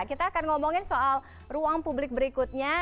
kita akan ngomongin soal ruang publik berikutnya